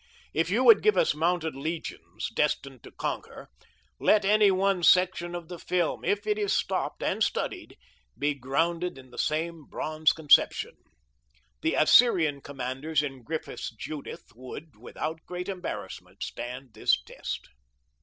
If you would give us mounted legions, destined to conquer, let any one section of the film, if it is stopped and studied, be grounded in the same bronze conception. The Assyrian commanders in Griffith's Judith would, without great embarrassment, stand this test.